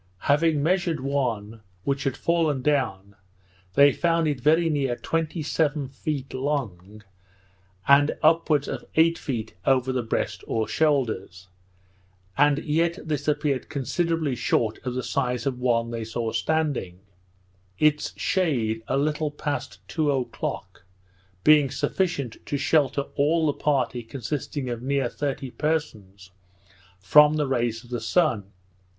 Having measured one, which had fallen down, they found it very near twenty seven feet long, and upwards of eight feet over the breast or shoulders; and yet this appeared considerably short of the size of one they saw standing; its shade, a little past two o'clock, being sufficient to shelter all the party, consisting of near thirty persons, from the rays of the sun.